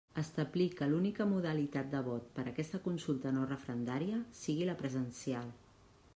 Establir que l'única modalitat de vot per aquesta consulta no referendària sigui la presencial.